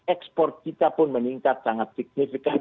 ekspor kita pun meningkat sangat signifikan